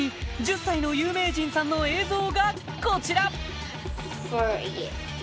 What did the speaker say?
１０歳の有名人さんの映像がこちら！